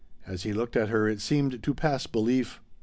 As he looked at her, it seemed to pass belief.